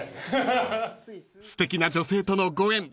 ［すてきな女性とのご縁］